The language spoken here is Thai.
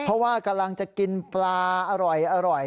เพราะว่ากำลังจะกินปลาอร่อย